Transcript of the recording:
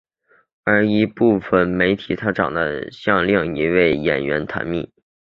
而一部分媒体则称她长得像另一名女演员坛蜜。